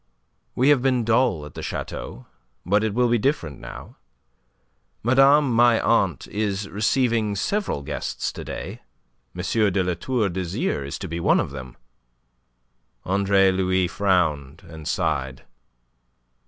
We have been dull at the chateau; but it will be different now. Madame my aunt is receiving several guests to day. M. de La Tour d'Azyr is to be one of them." Andre Louis frowned and sighed.